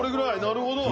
なるほど」